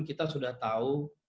kita sudah tahu